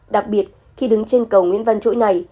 đặc biệt khi đứng trên cầu nguyễn văn chỗi này